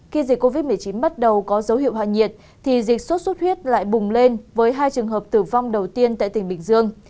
khi dịch covid một mươi chín bắt đầu có dấu hiệu hạ nhiệt thì dịch sốt xuất huyết lại bùng lên với hai trường hợp tử vong đầu tiên tại tỉnh bình dương